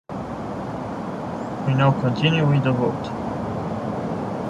We now continue with the vote.